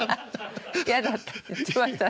ハハハハ嫌だったって言ってましたね。